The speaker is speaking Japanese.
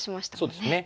そうですね。